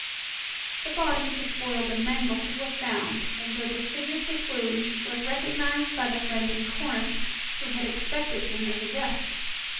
The body, despoiled and mangled, was found, and though disfigured with wounds, was recognized by the friend in Corinth who had expected him as a guest.